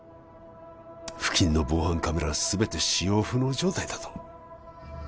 付近の防犯カメラは全て使用不能状態だと？